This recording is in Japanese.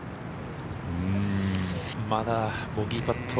まだボギーパット。